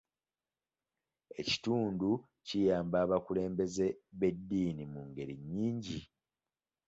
Ekitundu kiyamba abakulembeze b'eddiini mu ngeri nyingi .